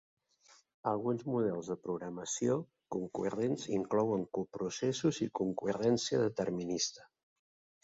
Alguns models de programació concurrents inclouen coprocessos i concurrència determinista.